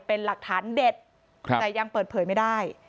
เป็นหลักฐานเด็ดแต่ยังเปิดเผยไม่ได้